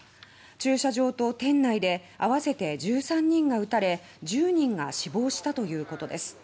駐車場と店内で合わせて１３人が撃たれ１０人が死亡したということです。